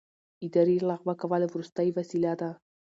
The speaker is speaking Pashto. اداري لغوه کول وروستۍ وسیله ده.